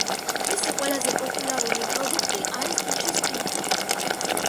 მისი ყველაზე პოპულარული პროდუქტი არის ტუჩის ტინტი